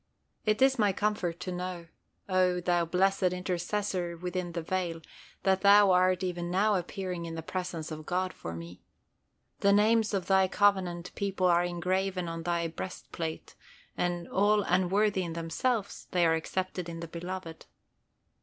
It is my comfort to know, O Thou blessed Intercessor within the veil, that Thou art even now appearing in the presence of God for me! The names of Thy covenant people are engraven on Thy breastplate, and, all unworthy in themselves, they are accepted in the Beloved.